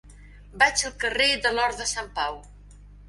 Vaig al carrer de l'Hort de Sant Pau.